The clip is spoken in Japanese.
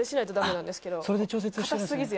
それで調節してるんですね